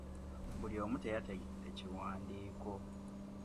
Buli omu teyategedde kiwandiiko.